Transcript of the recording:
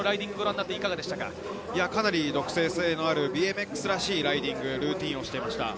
かなり独創性のあるＢＭＸらしいライディングルーティーンでした。